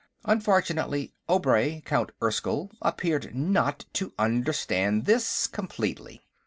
Unfortunately, Obray, Count Erskyll, appeared not to understand this completely.